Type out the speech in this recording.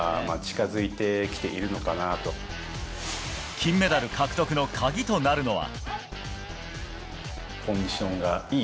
金メダル獲得の鍵となるのは。